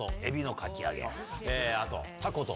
あと。